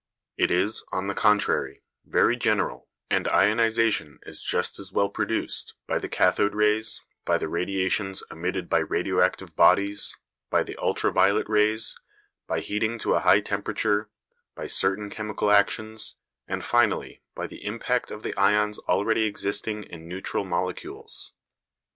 It is, on the contrary, very general, and ionisation is just as well produced by the cathode rays, by the radiations emitted by radio active bodies, by the ultra violet rays, by heating to a high temperature, by certain chemical actions, and finally by the impact of the ions already existing in neutral molecules.